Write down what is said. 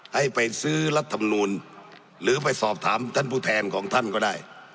ให้ไปซื้อรัฐมนูลหรือไปสอบถามท่านผู้แทนของท่านก็ได้